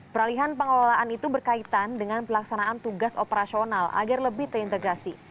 peralihan pengelolaan itu berkaitan dengan pelaksanaan tugas operasional agar lebih terintegrasi